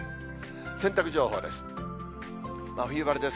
洗濯情報です。